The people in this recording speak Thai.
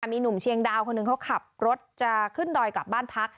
มีหนุ่มเชียงดาวคนหนึ่งเขาขับรถจะขึ้นดอยกลับบ้านพัก